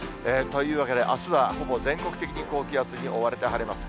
というわけで、あすはほぼ全国的に高気圧に覆われて晴れます。